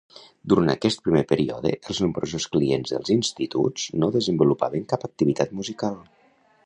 Durant aquest primer període, els nombrosos clients dels instituts no desenvolupaven cap activitat musical.